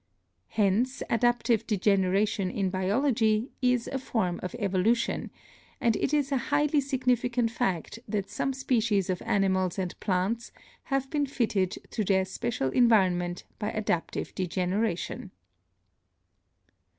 Hence adaptive degeneration in biology is a form of evolution, and it is a highly significant fact that some species of ani mals and plants have been fitted to their special environ ment by adaptive degeneration.